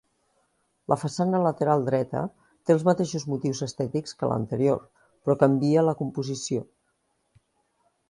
La façana lateral dreta té els mateixos motius estètics que l'anterior, però canvia la composició.